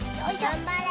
がんばれ！